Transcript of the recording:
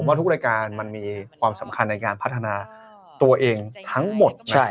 เพราะทุกรายการมันมีความสำคัญในการพัฒนาตัวเองทั้งหมด